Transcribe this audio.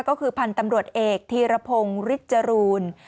ก็คือพันธุ์ตำรวจเอกธีรพงศ์ฤทธรูล